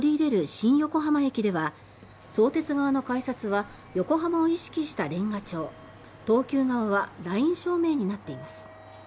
新横浜駅では相鉄側の改札は横浜を意識したレンガ調東急側はライン照明になっています。